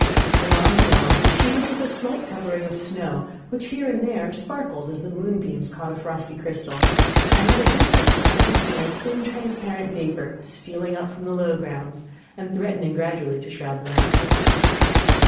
The lawn beyond was sheeted with a slight covering of snow, which here and there sparkled as the moonbeams caught a frosty crystal; and at a distance might be seen a thin, transparent vapour, stealing up from the low grounds, and threatening gradually to shroud the landscape.